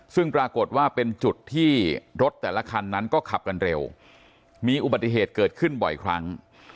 ซึ่งปรากฏว่าเป็นจุดที่รถแต่ละคันนั้นก็ขับกันเร็วมีอุบัติเหตุเกิดขึ้นบ่อยครั้ง